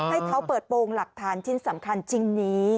ให้เขาเปิดโปรงหลักฐานชิ้นสำคัญชิ้นนี้